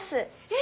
え！？